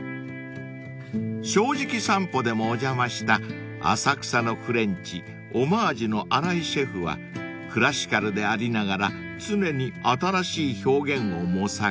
［『正直さんぽ』でもお邪魔した浅草のフレンチＨＯＭＭＡＧＥの荒井シェフはクラシカルでありながら常に新しい表現を模索］